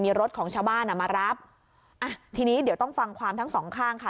มีรถของชาวบ้านอ่ะมารับอ่ะทีนี้เดี๋ยวต้องฟังความทั้งสองข้างค่ะ